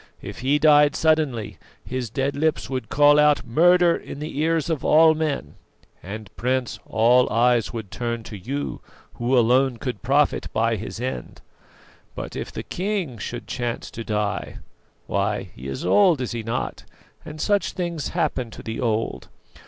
If he died suddenly, his dead lips would call out 'Murder!' in the ears of all men; and, Prince, all eyes would turn to you, who alone could profit by his end. But if the king should chance to die why he is old, is he not? and such things happen to the old.